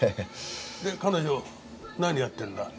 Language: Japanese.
で彼女何やってるんだ？